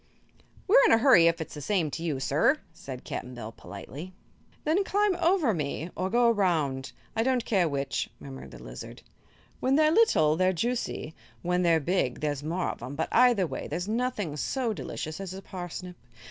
"We're in a hurry, if it's the same to you, sir," said Cap'n Bill, politely. "Then climb over me or go around I don't care which," murmured the lizard. "When they're little, they're juicy; when they're big, there's more of 'em; but either way there's nothing so delicious as a parsnip.